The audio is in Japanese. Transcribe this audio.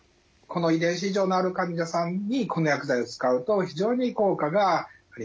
この遺伝子異常のある患者さんにこの薬剤を使うと非常に効果がありました。